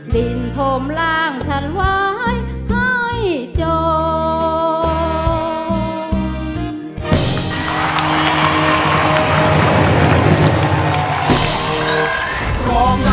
ดินถมร่างฉันไว้ให้จอง